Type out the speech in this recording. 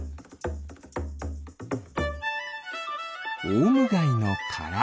オウムガイのから。